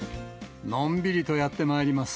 のんびりとやってまいります。